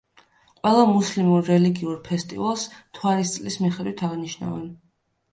ყველა მუსლიმურ რელიგიურ ფესტივალს მთვარის წლის მიხედვით აღნიშნავენ.